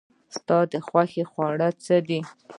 ستا د خوښې خواړه څه دي؟